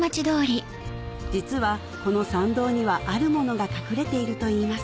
実はこの参道にはあるものが隠れているといいます